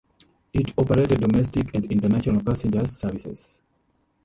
It operated domestic and international passenger services.